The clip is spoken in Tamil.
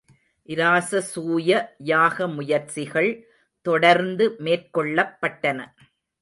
இராசசூய யாக முயற்சிகள் தொடர்ந்து மேற் கொள்ளப் பட்டன.